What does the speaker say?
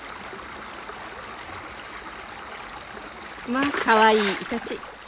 まあかわいいイタチ！